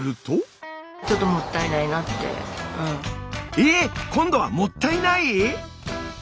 えっ！今度はもったいない？